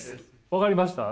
分かりました？